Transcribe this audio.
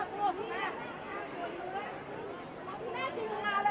ต้องใจร่วม